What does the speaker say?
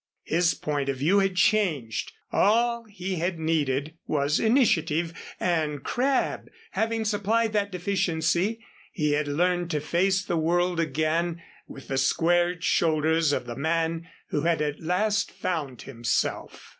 His point of view had changed. All he had needed was initiative, and, Crabb having supplied that deficiency, he had learned to face the world again with the squared shoulders of the man who had at last found himself.